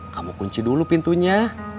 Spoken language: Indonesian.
kamu kunci dulu pintunya